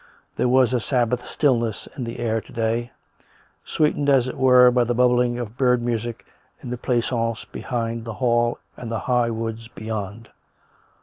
There was a Sabbath stillness in the air to day, sweetened, as it were, by the bubbling of bird music in the pleasaunce behind the hall and the high woods beyond.